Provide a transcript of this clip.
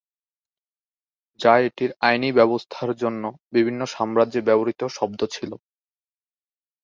যা এটির আইনি ব্যবস্থার জন্য বিভিন্ন সাম্রাজ্যে ব্যবহৃত শব্দ ছিল।